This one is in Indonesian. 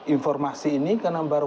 informasi ini karena baru